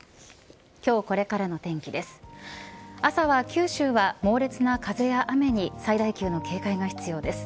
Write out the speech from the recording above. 今日これからの天気です。